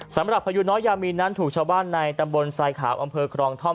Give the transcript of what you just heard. สำหรับพยุนน้อยยามีนนั้นถูกชาวบ้านในตำบลไซขาวอำเภอคลองท่อม